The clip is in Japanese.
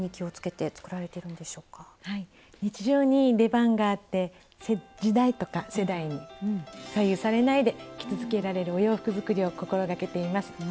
日常に出番があって時代とか世代に左右されないで着続けられるお洋服作りを心掛けています。